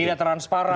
oke tidak transparan